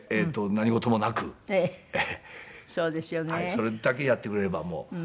それだけやってくれればもう。